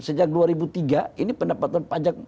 sejak dua ribu tiga ini pendapatan pajak